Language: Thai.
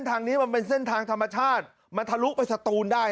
ทางนี้มันเป็นเส้นทางธรรมชาติมันทะลุไปสตูนได้